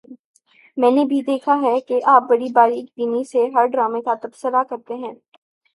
میں نے بھی دیکھا ہے کہ آپ بڑی باریک بینی سے ہر ڈرامے کا تبصرہ کرتی ہیں